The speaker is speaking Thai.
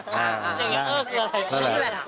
อย่างนี้แหละคืออะไร